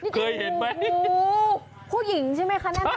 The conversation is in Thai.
เฮ้ยนี่แค่งูผู้หญิงใช่ไหมคะแน่นอน